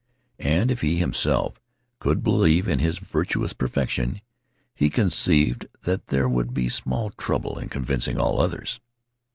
And if he himself could believe in his virtuous perfection, he conceived that there would be small trouble in convincing all others.